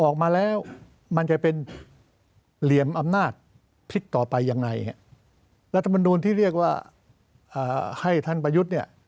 ออกมาแล้วมันจะเป็นเหลี่ยมอำนาจพิษต่อไปยังไงรัฐมนูลที่เรียกว่าให้ท่านประยุทธ์เนี่ย